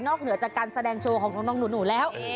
เหนือจากการแสดงโชว์ของน้องหนูแล้ว